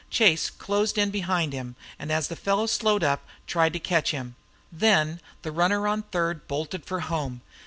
Chase closed in behind him, and as the fellow slowed up tried to catch him. Then the runner on third bolted for home.